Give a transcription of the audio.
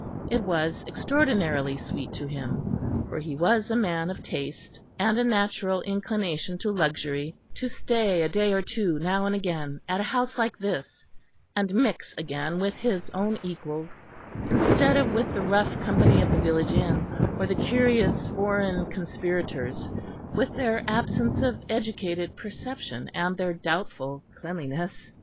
It was extraordinarily sweet to him (for he was a man of taste and a natural inclination to luxury) to stay a day or two now and again at a house like this and mix again with his own equals, instead of with the rough company of the village inn, or the curious foreign conspirators with their absence of educated perception and their doubtful cleanliness.